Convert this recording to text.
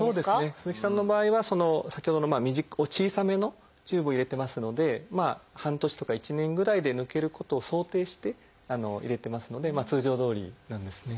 鈴木さんの場合は先ほどの小さめのチューブを入れてますので半年とか１年ぐらいで抜けることを想定して入れてますので通常どおりなんですね。